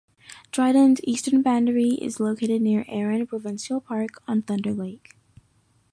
Dryden's eastern boundary is located near Aaron Provincial Park on Thunder Lake.